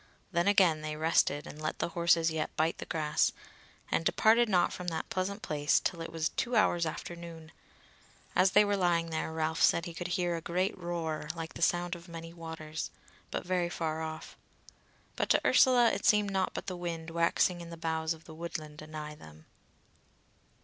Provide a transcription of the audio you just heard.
Then again they rested and let the horses yet bite the grass, and departed not from that pleasant place till it was two hours after noon. As they were lying there Ralph said he could hear a great roar like the sound of many waters, but very far off: but to Ursula it seemed naught but the wind waxing in the boughs of the woodland anigh them.